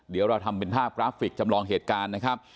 เดี๋ยวเราทำเป็นภาพกราฟิกจำลองเหตุการณ์นะครับ